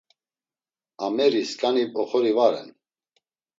Ameri skani oxori va ren.